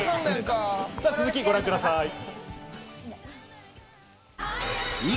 続き、ご覧ください。